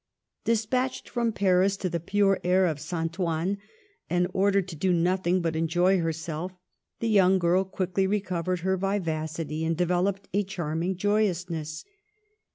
Despatched from Paris to the pure air of St. Ouen, and ordered to do nothing but enjoy her self, the young girl quickly recovered her vivac ity, and developed a charming joyousness.